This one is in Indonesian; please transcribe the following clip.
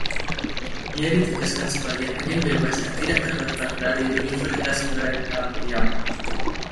Dia ditugaskan sebagai agen bebas yang tidak terdaftar dari Universitas Brigham Young.